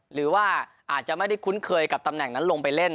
หรือว่าอาจจะไม่ได้คุ้นเคยกับตำแหน่งนั้นลงไปเล่น